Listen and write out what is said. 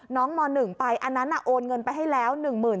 ม๑ไปอันนั้นโอนเงินไปให้แล้ว